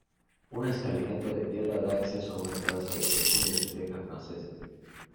Una escalinata de piedra da acceso a una terraza de techumbre de tejas francesas.